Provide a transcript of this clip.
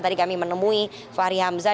tadi kami menemui fahri hamzah